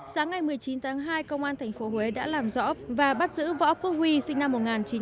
sáng ngày một mươi chín tháng hai công an tp huế đã làm rõ và bắt giữ võ phương huy sinh năm một nghìn chín trăm chín mươi sáu